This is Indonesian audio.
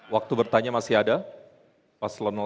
waktu bertanya masih ada paslon satu